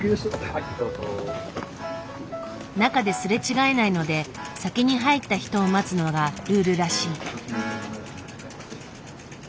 中ですれ違えないので先に入った人を待つのがルールらしい。